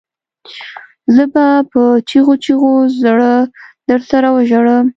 زه به په چیغو چیغو زړه درسره وژړوم